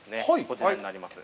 こちらになります。